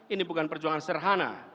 ini bukan perjuangan serhana